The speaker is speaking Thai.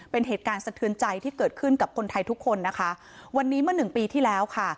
เป็นเหตุการณ์สะเทือนใจที่เกิดขึ้นกับคนไทยทุกคนนะคะวันนี้เมื่อหนึ่งปีที่แล้วค่ะ